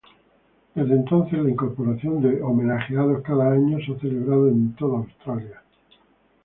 Desde entonces, la incorporación de homenajeados cada año se ha celebrado en toda Australia.